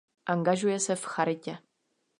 Angažuje se v charitě.